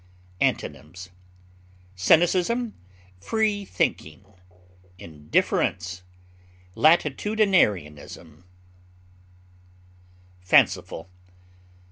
Antonyms: cynicism, free thinking, indifference, latitudinarianism. FANCIFUL.